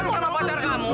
biar sama pacar kamu